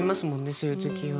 そういう時は。